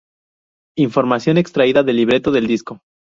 Información extraída del libreto del disco.